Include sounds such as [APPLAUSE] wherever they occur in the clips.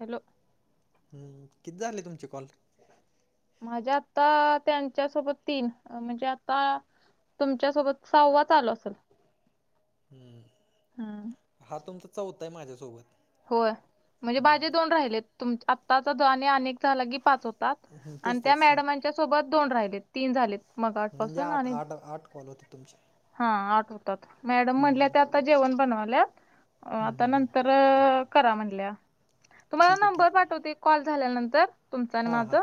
Hello. हम्म किती झाले तुमचे कॉल? माझे आत्ता त्यांच्या सोबत तीन अ म्हणजे आत्ता तुमच्यासोबत सहावा चालू असलं. हम्म हा तुमचा चौथायं माझ्यासोबत. होय म्हणजे माजी दोन राहिलेत तुम आत्ताचा आणि एक झाला की पाच होतात हम्म, आणि तेच त्या तेच हां मॅडमांच्या सोबत दोन राहिलेत तीन झालेत मग आट म्हणजे आठ आठ आठ कॉल होतेत तुमचे. हा आठ होतात मॅडम म्हणल्या हम्म, त्या आता जेवण बनवायल्यात अ हम्म, आता हम्म, हम्म. नंतर अ करा म्हणल्या तुम्हाला ठीक आहे ठीक नंबर आहे पाठवते कॉल झाल्यानंतर. तुमचं आणि हां हां माझं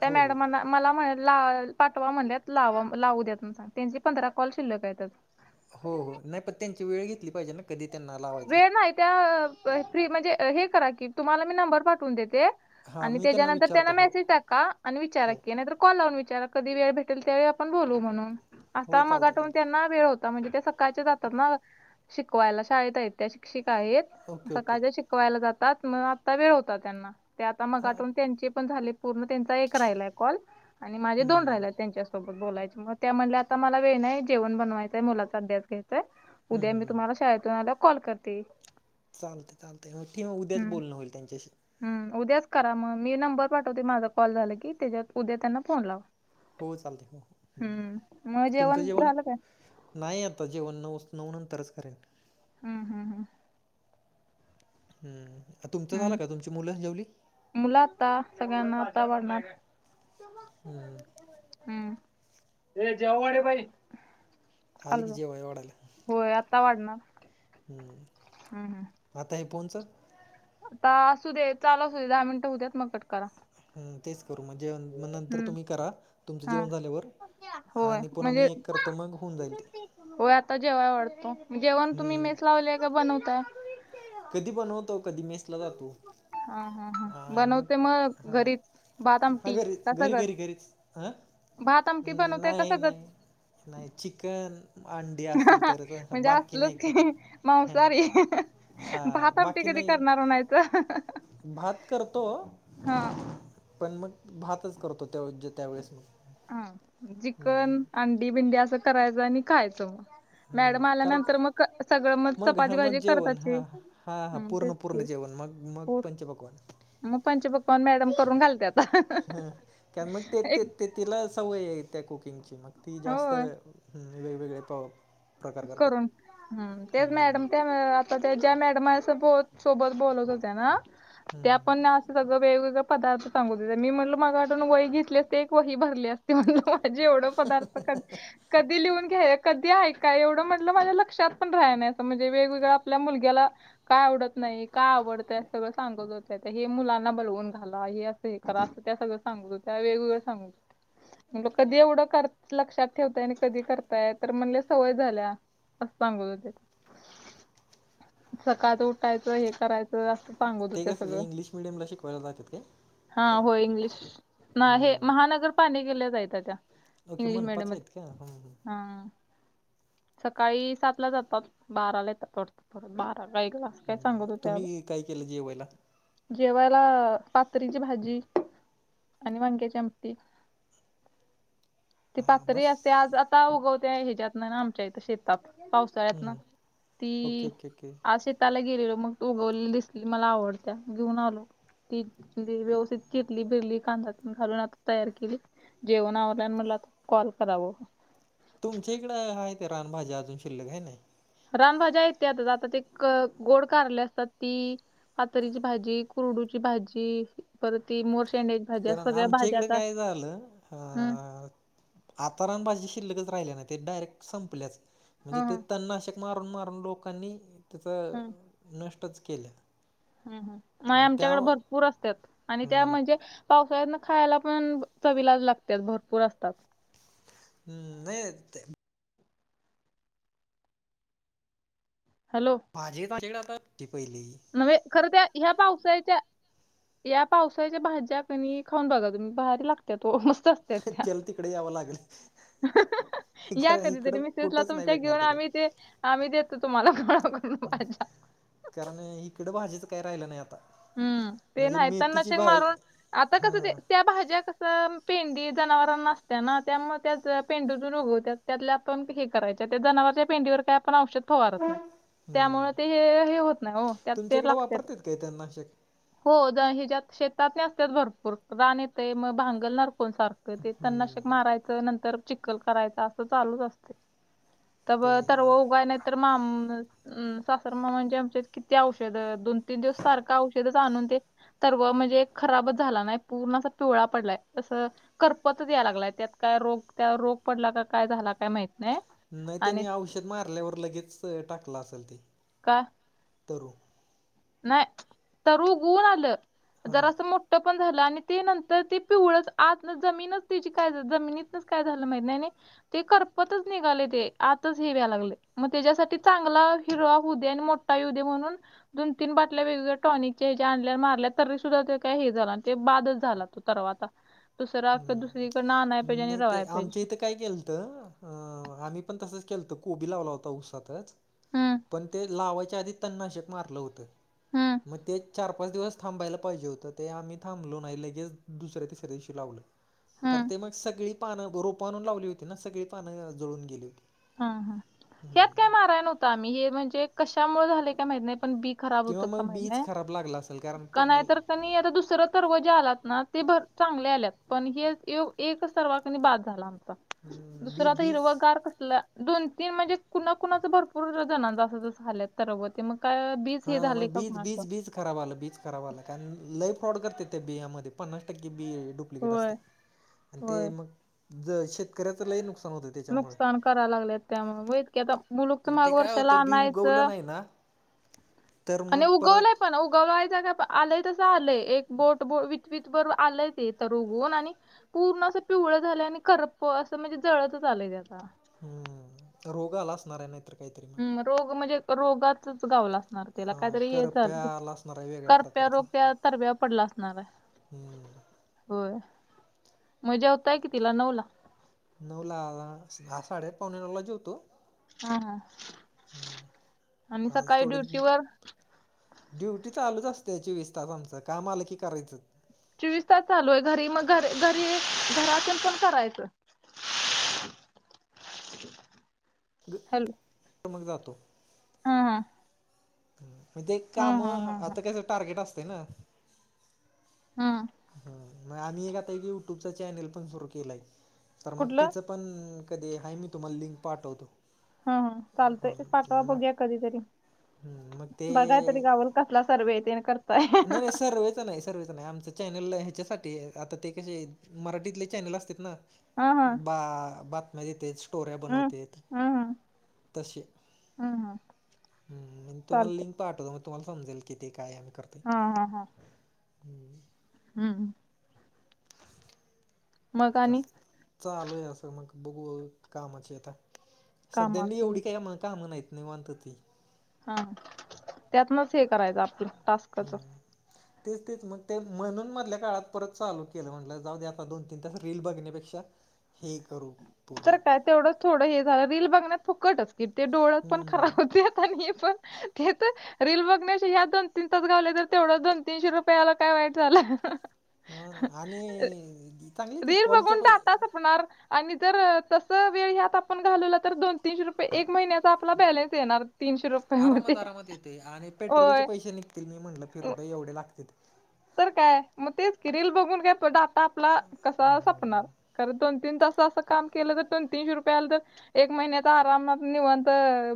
त्या हो हो मॅडमांना मला म्हण ला पाठवा म्हणल्यात लावा लावू द्या सांग त्यांची पंधरा कॉल शिल्लक आहेत अजून. हो हो नाही पण त्यांची वेळ घेतली पाहिजे ना कधी त्यांना लावायचंय. वेळ नाही त्या अ ब फ्री म्हणजे हे करा की तुम्हाला मी नंबर पाठवून देते. हां आणि मी त्याच्यानंतर विचारतो त्यांना हो मेसेज टाका आणि विचारा हो कि नाहितर कॉल लावून विचारा कधी वेळ भेटेल त्यावेळी आपण बोलू म्हणून हो आता चालतंय मगाटेून चालतंय त्यांना वेळ होता म्हणजे त्या स सकाळच्या जातात ना शिकवायला शाळेत आहेत त्या शिक्षिका आहेत ओके ओके सकाळच्या शिक यला जातात मग आता वेळ होता त्यांना आता हां मगटून त्यांचे पण झाले पूर्ण त्यां एक ठीक. राहिलाय कॉल आणि माझे दोन हम्म, राहिलाय त्यांच्या सोबत बोलायच मग त्या म्हटल्या आता मला वेळ नाही जेवण बनवायचंय मुलाचा अध्यास घ्यायचाय. हम्म, उद्या हम्म, मी हम्म. तुम्हाला शाळेतून आल्यावर कॉल करते. चालतयं चालतयं मग ठी मग उद्याच हम्म बोलणं होईल त्यांच्याशी. हम्म उद्याच करा मग मी नंबर पाठवते माझा कॉल झाला की त्याच्यात उद्या त्यांना फोन लावा. हो चालतयं हो हो हं हम्म मग तुमचं जेवण? झालं काय नाही आता जेवण नऊच नऊ नंतरच करेन. हं हं हं. हम्म अ तुमचं झाला हम्म का तुमची मुलं जेवली? मुलं आता सगळ्यांना आता वाढणार. हम्म, हम्म ये जेवाय वाढ ए बाई. आली आलो की जावा जेवाय वाढायला. होय आता वाढणार हम्म हं. आता हे फोनचं. आता असू दे चालू असू दे दहा मिनिटं होऊद्यात मग कट करा. ह तेच करू मग जे मग नंतर हम्म तुम्ही करा तुमचं हा जेवण झाल्यावर. होय आणि पुन्हा म्हणजे मी एक करतो मग होऊन जाईल ते. होय आता जेवाय वाडतो जेवण तुम्ही हम्म, मेस लावलेय काय बनवताय? कधी बनवतो कधी मेसला जातो. हा हा हा बनवते मग हा घरीच भात हा आमटी घरी का घरी सगळंच घरी घरीच आ भात आमटी बनवताय का नाही नाही. नाही चिकन अंडी हा असेल ह तरच म्हणजे बाकी असलच नाही काय. का हां मांसहारी अ हं हं हं. भात हां आमटी बाकी कधी नाही करणार म्हणायचं अ हं हं. भात करतो. हा. पण मग भातच करतो त्याज त्यावेेळेस मग. हा चिकन अंडी बिंडी असं करायच आणि खायचं मग. हम्म, मॅडम कारण आल्यानंतर मग सगळं मग चपाती हां मग भाजी जेवण करताची हां हां हां हा पूर्ण तेच. पूर्ण की जेवण मग मग पोर- पंचपकवान. मग पंच पक्वान्न मॅडम करून घालतत्यात अ हं हां कारण मग ते हं ते एक ते तिला सवयये त्या कुकिंगची मग ती जास्त होय वेगवेगळे हं पा अ करून. हम् तेच मॅडम त्या अ आता ज्या मॅडम सोबो सोबत बो बोलत होत्या ना ते आपण असं सगळं वेगवेगळं पदार्थ सांगत होत्या मी म्हटल मगा धरण एक वही घेतली असती एक वही भरली असती म्हणलं अ हं हं. जेवढं पदार्थ कध कधी लिहून घ्या कधी ऐका काय एवढं म्हटलं माझ्या लक्षात पण राहाय नाही असं म्हणजे वेगवेगळ आपल्या मुलग्याला काय आवडत नाही का आवडतय सगळं सांगत होत. हे मुलांना बलवून घाला हे असं हे करा असं त्या सगळं सांगत होत्या वेगवेगळं सांगत कधी एवढं कर लक्षात ठेवताय आणि कधी करताय तर म्हणले सवय झाल्या असं सांगत होते. सकाळचं उठायचं हे करायचं अस ते कस इंग्लिश मिडियमला शिकवायला जातेत काय? हा हो इंग्लिश ना हे महानगर पालिकेला हायत्या. ओके इंग्लिश मनपाच आहेत का मीडियमचं हं, हं. हा. सकाळी सात ला जातात बाराला येतात वाटत बारा का एकला. असं ह काय सांगत होत्या. तुम्ही काय केलं जेवायला. जेवायला पातरीची भाजी आणि वांग्याची आमटी. [INAUDIBLE] ते हां पातरी बस असते आज आता उगवते ह्याच्यात ना आमच्या इथ शेतात पाऊस हम्म, [UNINTELLIGIBLE] ती ओके ओके ओके असे त्याला गेलेलो मग तो उगवली दिसली मला आवडत्या घेऊन आलो. ती व्यवस्थित चिरली बिरली कांदात घालून आ तयार केली. जेवण आवरल आणि म्हटलं आता कॉल करावं. तुमच्या इकड आहे ते रानभज्या अजून शिल्लक हाय नाही. रानभाज्या विकतय आता आता ते क गोड कारले असतात ती. पातरीची भाजी कुरडूची भाजी. परत ती. मोरशेंड्याची भाजी अस कारण सगळ्या आमच्या भाज्या इकडे आता काय झालं हम्म अ. आता रान भाजी शिल्लकच राहिले नाही ते डायरेक्ट संपल्याच म्हणजे ते हम्म तननाशक. मारून मारून लोकांनी त्याचा नष्टच केल्या. ह् ह नाही आमच्याकडे भरपूर असत्यात आणि त्या म्हणजे पावसाळ्यात. खायला पण चवीला लागत्यात भरपूर असतात. हम्म नाही ते. हॅलो. माझी माझ्याकडे आता ती पहिली. नव्हे खर त्या ह्या पावसाळ्याच्या. या पावसाळच्या भाज्या कणी खाऊन बघा तुम्ही भारी लागतत्यात वो मस्त. असत्यात हे त्या. त्याला तिकडे यावं लागलं या कधीतरी मिसेसला तुमच्या घेऊन आम्ही ते आम्ही देतो तुम्हाला भाज्या. कारण इकडं भाजीचं काही राहिलं नाही आता. हम्म ते म्हणजे नाही मेथीची तननाशक भाजी मारून आता कस ते हां त्या भाज्या कस पी पंडी जना नसत्या ना त्या त्या पेंडतून उगवत त्यात आपण हे कराय त्या जनावरच्या पेंडीवर. का आपण औषध फवारत नाही हम्म. त्यामुळे ते हे होत नाही हो त्यात ते लागतेत. ते तननाशक हो द हिच्यात शेतात नी असत्यात भरपूर रान येते मग भांगलणार. होय सारखं ते तणनाशक हम्म, मारायचं नंतर चिखल करायच असं चालूच असते. त ब तर ते तत्वं उगवाय नाही तर माम अ सासर मामा म्हणजे आमचे किती औषध दोन तीन दिवस सारखं औषधच आणून ते तरव म्हणजे खराबच झाला नाही पूर्ण अस पिवळा पडलाय तसं करपत या लागलाय त्यात काय रोग त्यावर रोग पडला का काय झाला काय माहीत नाही. नाही आणि त्यांनी औषध मारल्यावर लगेच टाकला असेल ते. काय.. तरु. नाही तरु उगवून आलं जर हां असं मो पण झालं आणि ते नंतर ते पिवळच आत जमीनच त्याची काय जमिनीतनच काय झालं माहित नाही. ते करपतच निघाले ते आताच हेव्या लागले. मग त्याच्यासाठी चांगला हिरवा होवू दे आणि मोठा येऊ दे म्हणून. दोन तीन बाटल्या वेगवेगळ्या टॉनिकच्या्या आणल्या मारल्या तरी.. सुद्धा ते काही हे झाल नाही ते बादच झाला त. तरवा आता दुसरा हम्म दुसरीकडनं आणाय पाहिजे आणि नाही ते रवाय आमच्या पाहिजे. इथं काय केलत अ आम्ही पण तसच केलत कोबी लावला होता ऊसातच हम्म पण ते लावायच्या आधी तननाशक मारलं होतं हम्म मग ते चार पाच दिवस थांबायला पाहिजे होतं ते आम्ही थांबलो नाही लगेच दुसऱ्या, तिसऱ्या दिवशी लावलं. तर हम्म ते मग सगळी पानं रोप आणून लावली होती ना सगळी पानं जळून गेली होती. हा हा त्यातत काय माराय नव्हता आम्ही हे म्हणजे कशामुळे झाले काय माहित नाही पण बी खराब होतो किंवा का मग महित नाय बीच खराब लागला असेल कारण का प- नाही तर आता दुसर तरर्व जे आलात ना ते भर चांगले आल्यात पण हे ह्यो एकच सर्वा कनी बाद झाला आमचा हम्म, बी दुसऱ्यात बीज हिरगार ला दोन तीन म्हणजे कुणा कुणाच भरपूर जणां अस झाल्यात सर्व ते मग काय बीज हे हा झाले मग का बीज कुणाचं बीज बीज खराब आल बीच खराब आला कारण लई फ्रॉड करत्यात त्या बियामध्ये पन्नास टक्के बी डुप्लिकेट होय असते आणि ते होय मग ज शेतकऱ्याच लई नुकसान होतं त्याच्यामुळे नुकसान करायला लागलेत त्यामुळे मग होयच की आता मुलूक तर मग ते माग काय वर्षाला होतं बी उगवलं आनायचं नाही ना तर मग आणि उगवलंय परत पण उगवलायच का आलंय तसं आलंय एक बोट बोलवी ईत भर आलंय ते ऊगवून आणि पूर्ण अस पिवळ झालंय आणि करप अस म्हणजे ज आलेय ते आता हम्म रोग आला असणार आहे नाहीतर काहीतरी मग. हम्म रोग म्हणजे रोगाचच गावलास त्याला हा काहीतरी हे करप्या झालत आला असणार आहे वेगळ्या करप्या प्रकारचा रोग त्या तरब्या पडला असणार हम्म [INAUDIBLE] होय मग जेवताय कितिला नऊ ला? नऊला दहा साडेपावणे नऊ ला जेवतो. हा हा आणि हम् आज सकाळी थोडी ड्युटीवर ड्युटी चालूच असत्या चोवीस तास आमचं काम आलं की करायचं. चोवीस तास चालू आहे घरी मग घरी घरी घरातील पण करायचं. [INAUDIBLE] [UNINTELLIGIBLE] हॅलो तर मग जातो. हा हा. मग ते हा काम हा हा हा आता कसं टार्गेट असते ना. हा मग आम्ही एक आता एक युट्यूबचा चॅनेल पण सुरू केलाय तर मग कुठलं त्याच पण कधी आहे मी तुम्हाला लिंक पाठवतो हा हा हां चालतय पाटवा मग बघुया कधीतरी मग ते बघाय तरी गावल. कसला सर्वे तेन कर नाही नाही सर्वेच नाही सर्च नाही आमच चॅनल ह्याच्यासाठी आता ते कसे मराठीतले चॅनल असतेत ना हा हा बा बातम्या देतेत स्टोऱ्या हम्म बनवतेत हम्म हम्म तसे हम्म हम्म हम्म तुम्हाला चालतंय लिंक पाठवतो मग तुम्हाला समजेल किती काय आम्ही करतो हा हा हा. हम्म [INAUDIBLE] हम्म. [INAUDIBLE] मग आणि चालू आहे असं मग बघू कामाचे आता कामात सध्यानी एवढी लगेच. काय आम्हाला काम नाहीत निवांत आहे मी हा त्यातनच हे करायचं आपलं टास्काच हम्म तेच तेच मग ते म्हणून मधल्या काळात परत चालू केलं म्हटलं जाऊदे आता दोन तीन तास रील बघण्यापेक्षा हे करू पूर्ण तर काय तेवढं थोडं हे झालं रील बघण्यात फुकटच की ते डोळत पण खराब हम्म होत्यात आणि हे पण ते तर रील बघण्याचे यात दोन तीन तास गालवले तर तेवढं दोन तीनशे रुपये आल काय वाईट झालं. हा ना आणि चांगले येतेत रीर कॉलच्या बघून पै डाटा संंप हुणार आणि जर तस वेळ ह्यात आपण घालवला तर दोन तीनशे रुपये एक महिन्याचा आपला बॅलेन्स येणार तीनशे रुपय मध्ये आरामात आरामात येते आणि पेट्रोलचे होय पैसे मी निघतील म्हटलं फिरद एवढे लागत्यात तर काय मग तेच कि रील बघून काय तो डाटा आपला कसा सपणार खरं दोन तीन तास असं काम केलं तर दोन तीनशे रुपया आल तर एक महिन्यात आरामात निवांत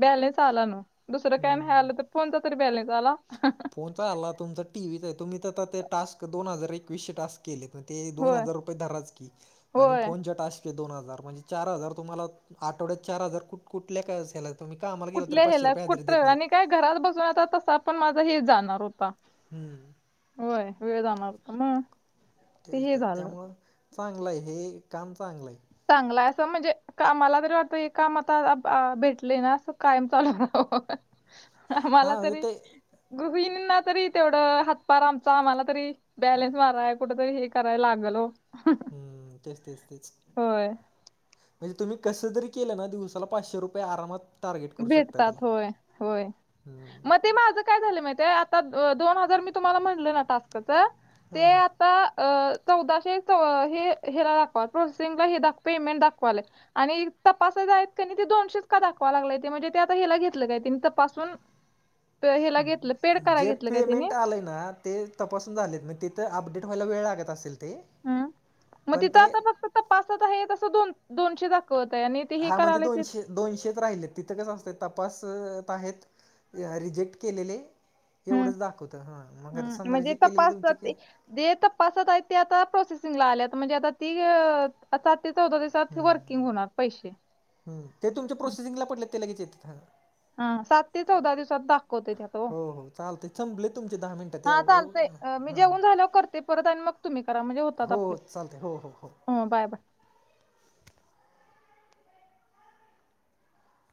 बॅलेन्स आला ना दुसरं काय न हम्म ह्यायलं तर फोनचा तरी बॅलेन्स आला को चालला तुमं टीव्हीच आहे तुम्ही तर ते टास्क दो हजार एकवीशे टास्क केले ते दोन होय हजार रुपये धराच की आणि होय फोन चे टास्क हे दोन हजार म्हणजे चार हजार तुम्हाला आठवड्यात चार हजार कुठ कुठल्या तुम्ही कामाला गेला कुठल्या तर ह्याला पाचशे हजरी देत कुठं आणि नाहित काय घरात बसूनता तस आपण माझा हे जाणार होता हम्म होय वेळ जाणार मग ते हे झालं त्यामुळ चांगलं आहे, हे काम चांगलं आहे चांगलय असं म्हणजे का मला तरी वाटत हे काम आता भेटले ना अस कायम चालू रहाव मला हा तरी ते गृहिणीना तरी तेवढं हातपार आमचा आम्हाला तरी बॅलंस माराय कुठे तरी हे कराय लागल हो हम तेच, तेच, तेच होय हे तुम्ही कसं जरी केलं ना दिवसाला पाचशे रुपये आरामात टार्गेट करू शकताय त्याला. भेटतात होय, होय हम्म मग ते माझं काय झालं माहिती आता दोन हजार मी तुम्हाला म्हणल ना टास्काच ते हा हा. आता अ चौदाशे च हेला दाखवा प्रोसेसिंगला हे दाखवलं पेमेंट दाखवाल आणि तपासा आहेत का ते दोनशेच का दाखवा लागय ते म्हणजे ते आता हिला घेतलं काय त्यांनी तप पासून हेला घेतलं पेड कराय जे घेतलं काय त्यानी पेमेंट आलंय ते तपासून झालेत मग तिथं अपडेट व्हायला वेळ लागत असेल ते हम मग पण तिथं ते आता फक्त तपासात आहे अस दोन दोनशे दाखवत आहे आणि ते हे हा म्हणजे करायलय ते दोनशे दोनशेच राहिले आहेत तिथं कसं असतं तपासत आहेत रिजेक्ट केलेले हम्म एवढंच दाखवतं हां मगर हम्म. म्हणजे समरजी केलेली तुमची तपासात की ते तपासात आहे ते आता प्रोसेसिंगला आले म्हणजे आता ती आ सात ते चौदा दिवसात वर्किंग होणार पैसे हम ते तुमचे प्रोसेसिंगला पडले ते लगेच येतात हा सात ते चौदा दिवसात दाखवते ह हो हो चालते संपले तुमचे दहा मिनटात या चालतंय मी हां जेवन झाल करते परत आणि मग तुम्ही करा म्हणजे होतात हो हो आपले चालते हो हो बाय, बाय